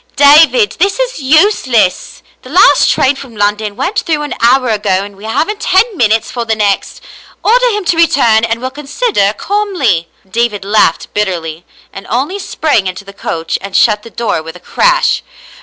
" David, this is useless. The last train from London went through an hour ago and we haven't ten minutes for the next. Order him to return and we'll consider calmly." David laughed bitterly, and only sprang into the coach and shut the door with a crash.